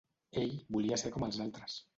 Ell volia ser com els altres.